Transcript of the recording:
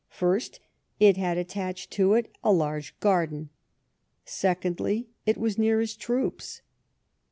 First, it had attached to it a large garden ; secondly, it was near his troops.